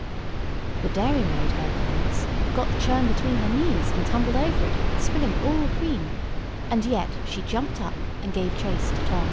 The dairymaid heard the noise, got the churn between her knees, and tumbled over it, spilling all the cream; and yet she jumped up, and gave chase to Tom.